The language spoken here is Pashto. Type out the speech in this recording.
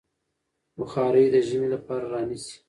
بخارۍ د ژمي لپاره رانيسئ.